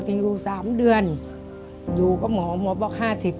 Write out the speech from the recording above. อดทนก็อยู่พออยู่๓เดือนอยู่ก็หมอหมอบอก๕๐๕๐